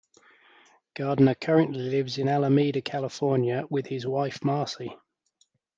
Gardner currently lives in Alameda, California with his wife Marci.